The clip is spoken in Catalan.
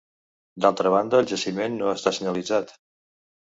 D'altra banda el jaciment no està senyalitzat.